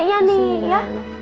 kasian adiknya nih ya